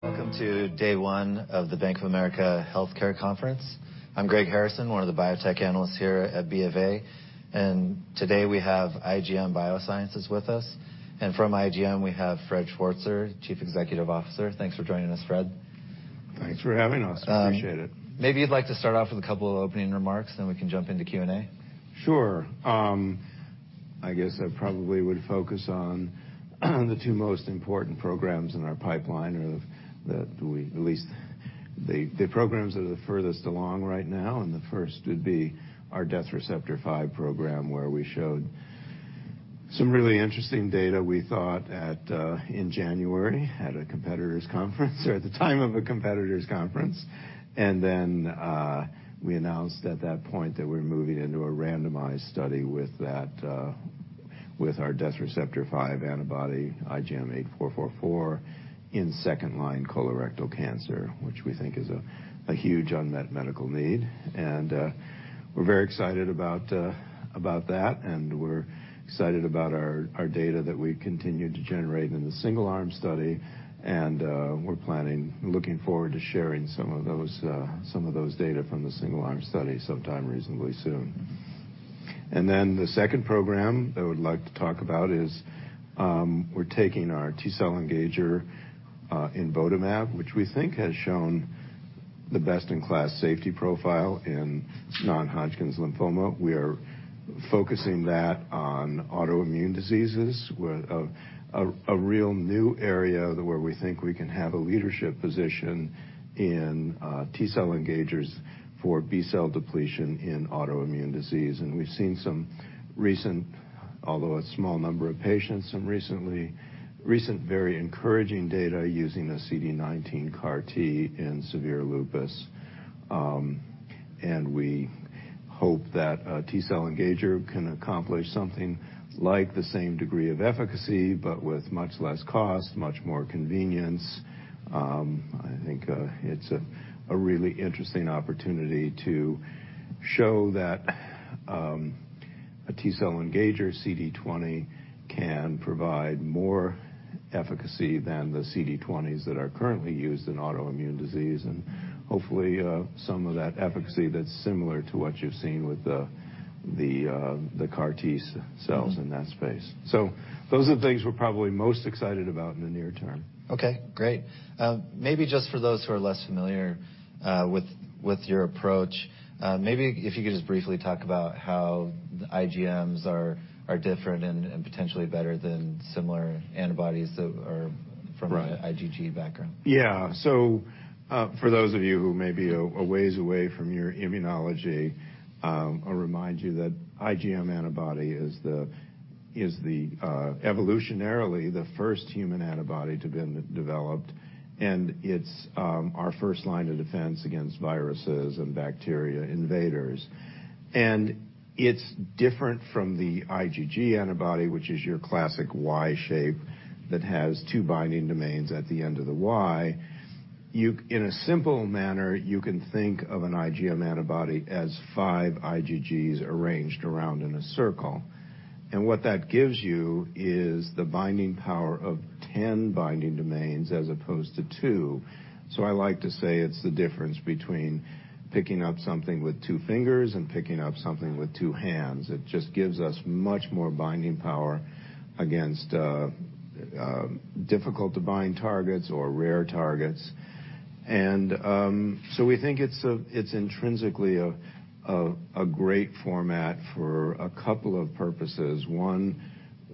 Welcome to day one of the Bank of America Healthcare Conference. I'm Greg Harrison, one of the biotech analysts here at B of A. Today we have IGM Biosciences with us. From IGM, we have Fred Schwarzer, Chief Executive Officer. Thanks for joining us, Fred. Thanks for having us. Appreciate it. Maybe you'd like to start off with a couple of opening remarks, then we can jump into Q&A. Sure. I guess I probably would focus on the two most important programs in our pipeline or the programs that are the furthest along right now. The first would be our Death Receptor 5 program, where we showed some really interesting data we thought in January at a competitor's conference or at the time of a competitor's conference. Then we announced at that point that we're moving into a randomized study with that, with our Death Receptor 5 antibody, IGM-8444, in second line colorectal cancer, which we think is a huge unmet medical need. We're very excited about that, and we're excited about our data that we continue to generate in the single arm study. looking forward to sharing some of those data from the single arm study sometime reasonably soon. The second program that I would like to talk about is, we're taking our T-cell engager, imvotamab, which we think has shown the best-in-class safety profile in non-Hodgkin's lymphoma. We are focusing that on autoimmune diseases with a real new area where we think we can have a leadership position in T-cell engagers for B-cell depletion in autoimmune disease. We've seen some recent, although a small number of patients, some recent very encouraging data using the CD19 CAR-T in severe lupus. We hope that a T-cell engager can accomplish something like the same degree of efficacy, but with much less cost, much more convenience. I think, it's a really interesting opportunity to show that, a T-cell engager CD20 can provide more efficacy than the CD20s that are currently used in autoimmune disease, and hopefully, some of that efficacy that's similar to what you've seen with the CAR T cells in that space. Those are the things we're probably most excited about in the near term. Okay, great. Maybe just for those who are less familiar, with your approach, maybe if you could just briefly talk about how the IgMs are different and potentially better than similar antibodies that are? Right. an IgG background. Yeah. For those of you who may be a ways away from your immunology, I'll remind you that IgM antibody is the evolutionarily the first human antibody to be de-developed, and it's our first line of defense against viruses and bacteria invaders. It's different from the IgG antibody, which is your classic Y shape that has 2 binding domains at the end of the Y. In a simple manner, you can think of an IgM antibody as 5 IgGs arranged around in a circle, and what that gives you is the binding power of 10 binding domains as opposed to 2. I like to say it's the difference between picking up something with 2 fingers and picking up something with 2 hands. It just gives us much more binding power against difficult to bind targets or rare targets. We think it's intrinsically a great format for a couple of purposes. One,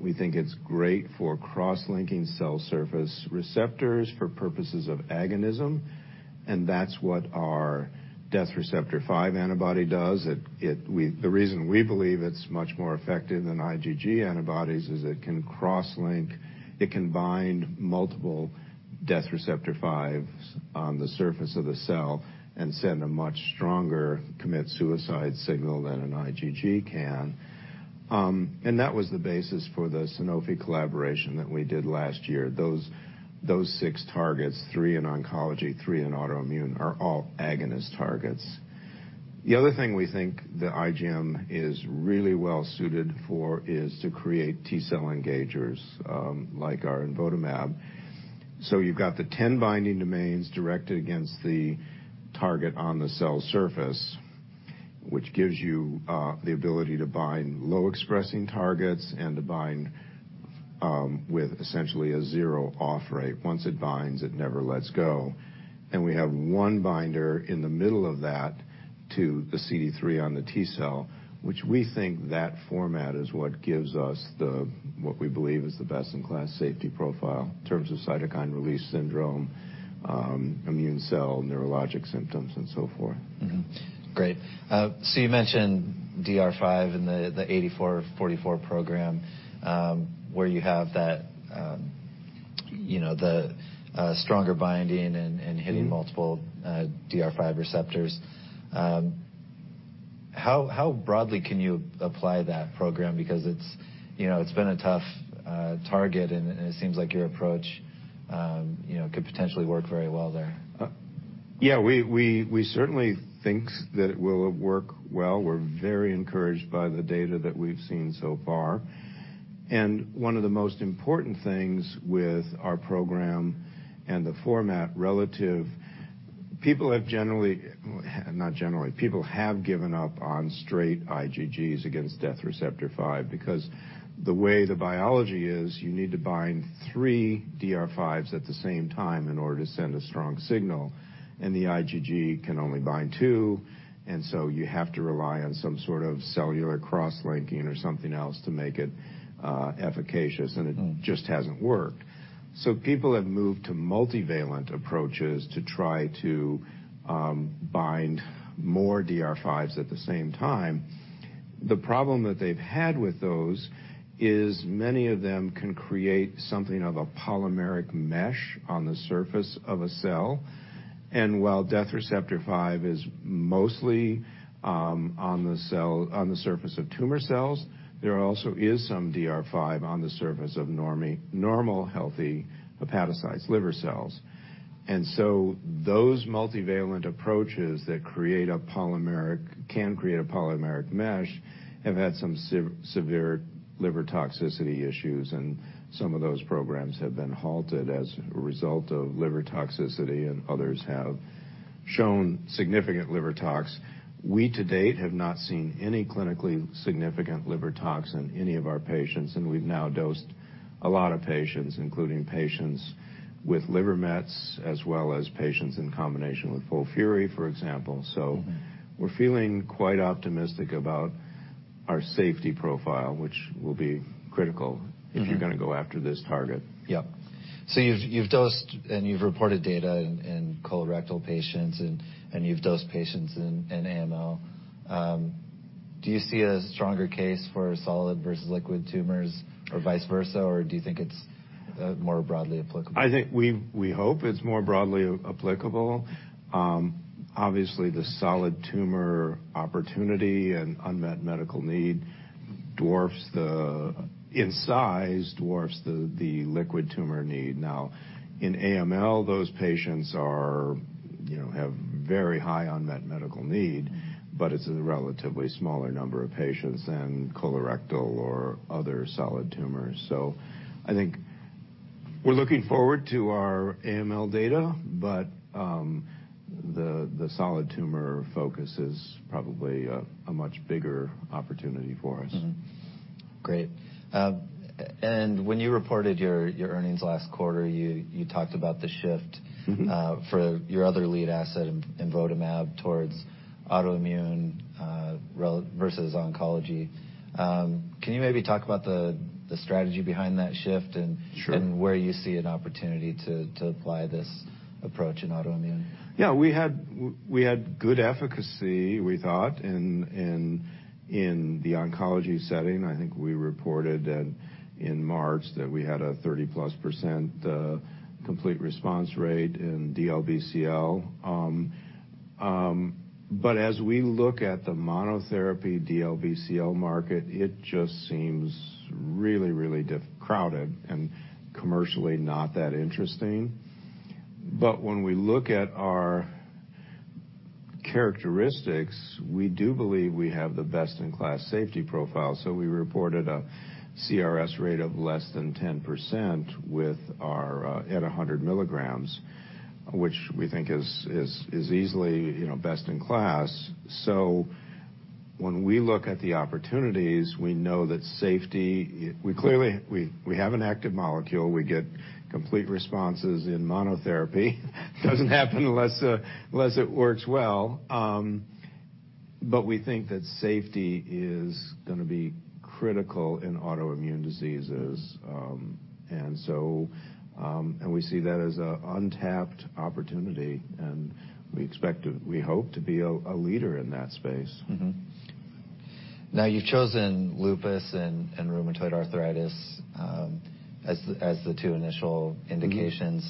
we think it's great for cross-linking cell surface receptors for purposes of agonism, and that's what our Death Receptor 5 antibody does. The reason we believe it's much more effective than IgG antibodies is it can cross-link. It can bind multiple Death Receptor 5s on the surface of the cell and send a much stronger commit suicide signal than an IgG can. That was the basis for the Sanofi collaboration that we did last year. Those six targets, three in oncology, three in autoimmune, are all agonist targets. The other thing we think the IgM is really well suited for is to create T-cell engagers, like our imvotamab. You've got the 10 binding domains directed against the target on the cell surface, which gives you the ability to bind low expressing targets and to bind with essentially a 0 off rate. Once it binds, it never lets go. We have 1 binder in the middle of that to the CD3 on the T-cell, which we think that format is what gives us the, what we believe is the best-in-class safety profile in terms of cytokine release syndrome, immune cell, neurologic symptoms, and so forth. Great. you mentioned DR5 and the 8444 program, where you have that, you know, the stronger binding. Mm-hmm. multiple, DR5 receptors. How broadly can you apply that program? Because it's, you know, it's been a tough target and it seems like your approach, you know, could potentially work very well there. Yeah, we certainly think that it will work well. We're very encouraged by the data that we've seen so far. One of the most important things with our program and the format relative-- people have generally, not generally, people have given up on straight IgGs against Death Receptor 5 because the way the biology is, you need to bind three DR5s at the same time in order to send a strong signal, and the IgG can only bind two. You have to rely on some sort of cellular cross-linking or something else to make it efficacious, and it just hasn't worked. People have moved to multivalent approaches to try to bind more DR5s at the same time. The problem that they've had with those is many of them can create something of a polymeric mesh on the surface of a cell. While Death Receptor 5 is mostly on the surface of tumor cells, there also is some DR5 on the surface of normal, healthy hepatocytes, liver cells. Those multivalent approaches that can create a polymeric mesh have had some severe liver toxicity issues, and some of those programs have been halted as a result of liver toxicity, and others have shown significant liver tox. We, to date, have not seen any clinically significant liver tox in any of our patients, and we've now dosed a lot of patients, including patients with liver mets as well as patients in combination with FOLFIRI, for example. We're feeling quite optimistic about our safety profile, which will be critical if you're gonna go after this target. Yep. You've dosed and you've reported data in colorectal patients and you've dosed patients in AML. Do you see a stronger case for solid versus liquid tumors or vice versa, or do you think it's more broadly applicable? I think we hope it's more broadly applicable. Obviously the solid tumor opportunity and unmet medical need dwarfs the liquid tumor need. In AML, those patients are, you know, have very high unmet medical need, but it's a relatively smaller number of patients than colorectal or other solid tumors. I think we're looking forward to our AML data, but the solid tumor focus is probably a much bigger opportunity for us. Great. When you reported your earnings last quarter, you talked about the shift... Mm-hmm. for your other lead asset imvotamab towards autoimmune versus oncology, can you maybe talk about the strategy behind that shift and? Sure. where you see an opportunity to apply this approach in autoimmune? We had good efficacy, we thought, in the oncology setting. I think we reported that in March that we had a 30% complete response rate in DLBCL. As we look at the monotherapy DLBCL market, it just seems really, really crowded and commercially not that interesting. But when we look at our characteristics, we do believe we have the best-in-class safety profile, so we reported a CRS rate of less than 10% with our at 100 milligrams, which we think is easily, you know, best in class. When we look at the opportunities, we know that safety. We have an active molecule. We get complete responses in monotherapy. Doesn't happen unless unless it works well. We think that safety is gonna be critical in autoimmune diseases. We see that as an untapped opportunity, and we hope to be a leader in that space. You've chosen lupus and rheumatoid arthritis, as the two initial indications.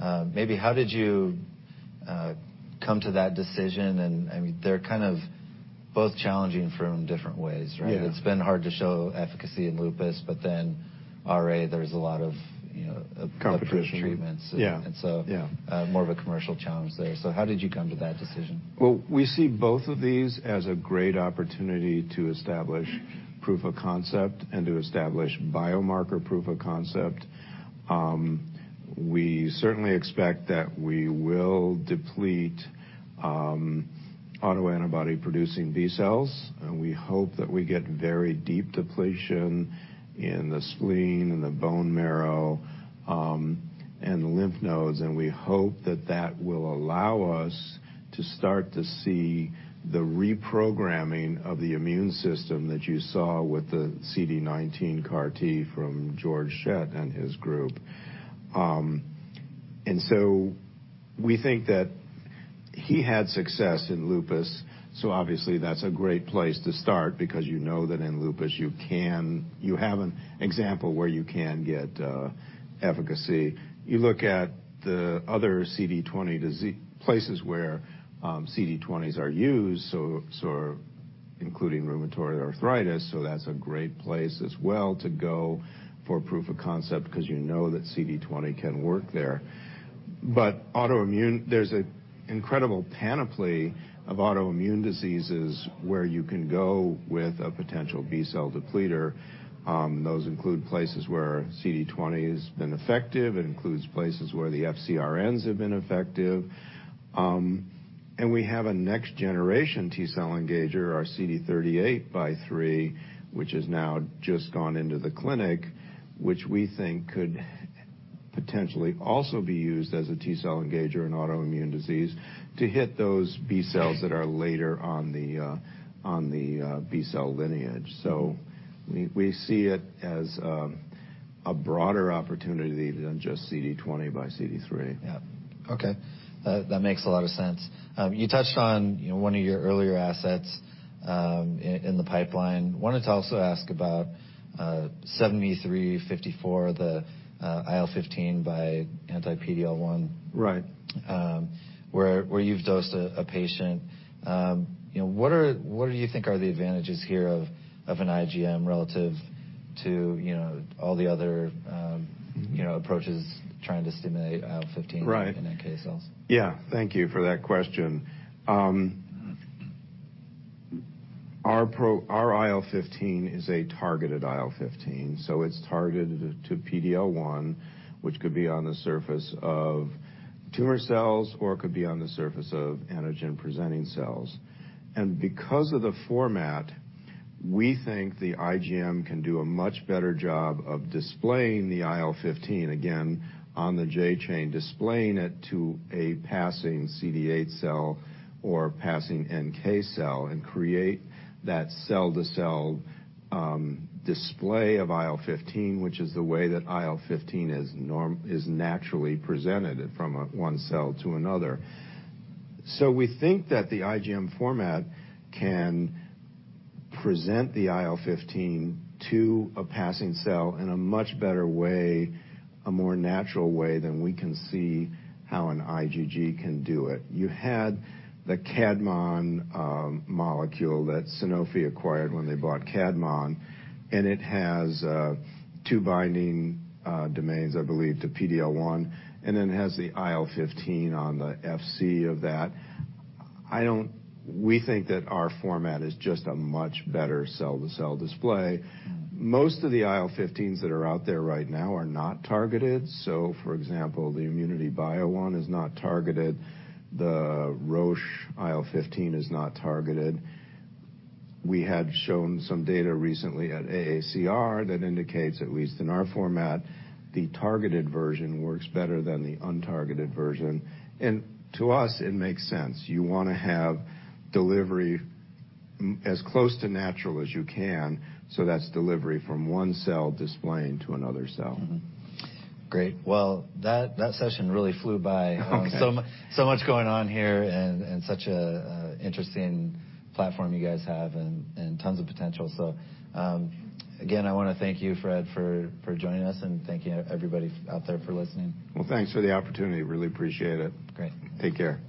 Mm-hmm. Maybe how did you come to that decision? I mean, they're kind of both challenging from different ways, right? Yeah. It's been hard to show efficacy in lupus, but then RA, there's a lot of, you know... Competition ...approved treatments. Yeah. And so- Yeah ...more of a commercial challenge there. How did you come to that decision? Well, we see both of these as a great opportunity to establish proof of concept and to establish biomarker proof of concept. We certainly expect that we will deplete autoantibody-producing B cells, and we hope that we get very deep depletion in the spleen and the bone marrow, and the lymph nodes. We hope that that will allow us to start to see the reprogramming of the immune system that you saw with the CD19 CAR-T from Georg Schett and his group. We think that he had success in lupus, so obviously that's a great place to start because you know that in lupus you have an example where you can get efficacy. You look at the other CD20 places where CD20s are used, including rheumatoid arthritis, that's a great place as well to go for proof of concept because you know that CD20 can work there. There's an incredible panoply of autoimmune diseases where you can go with a potential B-cell depleter. Those include places where CD20 has been effective. It includes places where the FcRns have been effective. We have a next-generation T-cell engager, our IGM-2644, which has now just gone into the clinic, which we think could potentially also be used as a T-cell engager in autoimmune disease to hit those B cells that are later on the B-cell lineage. We see it as a broader opportunity than just CD20 by CD3. Yeah. Okay. That makes a lot of sense. You touched on, you know, one of your earlier assets in the pipeline. Wanted to also ask about 7354, the IL-15 by anti-PD-L1. Right. where you've dosed a patient. you know, what do you think are the advantages here of an IGM relative to, you know, all the other, you know, approaches trying to stimulate IL-15? Right. in NK cells? Yeah. Thank you for that question. Our IL-15 is a targeted IL-15. It's targeted to PD-L1, which could be on the surface of tumor cells, or it could be on the surface of antigen-presenting cells. Because of the format, we think the IgM can do a much better job of displaying the IL-15, again, on the J-chain, displaying it to a passing CD8 cell or passing NK cell. Create that cell-to-cell display of IL-15, which is the way that IL-15 is naturally presented from one cell to another. We think that the IgM format can present the IL-15 to a passing cell in a much better way, a more natural way than we can see how an IgG can do it. You had the Kadmon molecule that Sanofi acquired when they bought Kadmon, and it has two binding domains, I believe, to PD-L1, and it has the IL-15 on the FC of that. We think that our format is just a much better cell-to-cell display. Mm-hmm. Most of the IL-15s that are out there right now are not targeted. For example, the ImmunityBio one is not targeted. The Roche IL-15 is not targeted. We had shown some data recently at AACR that indicates, at least in our format, the targeted version works better than the untargeted version. To us, it makes sense. You wanna have delivery as close to natural as you can, so that's delivery from one cell displaying to another cell. Mm-hmm. Great. Well, that session really flew by. Okay. Much going on here and such a interesting platform you guys have and tons of potential. Again, I wanna thank you, Fred, for joining us, and thank you everybody out there for listening. Well, thanks for the opportunity. Really appreciate it. Great. Take care.